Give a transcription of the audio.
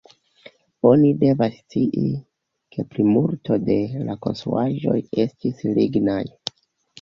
Oni devas scii, ke plimulto de la konstruaĵoj estis lignaj.